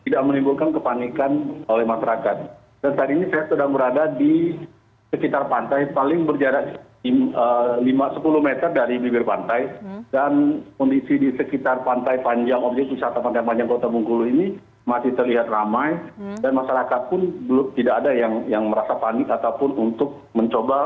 dan masyarakat pun belum tidak ada yang merasa panik ataupun untuk mencoba